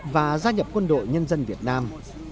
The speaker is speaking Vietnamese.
và gia nhập quân đội nhân dân việt nam